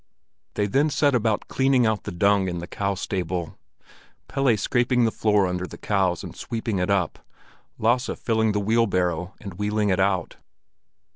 They then set about cleaning out the dung in the cow stable, Pelle scraping the floor under the cows and sweeping it up, Lasse filling the wheelbarrow and wheeling it out.